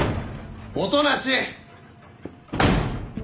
音無！